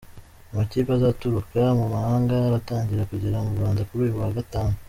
Amakipe azaturuka mu mahanga aratangira kugera mu Rwanda kuri uyu wa Gatanu.